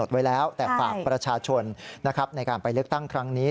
ไว้แล้วแต่ฝากประชาชนนะครับในการไปเลือกตั้งครั้งนี้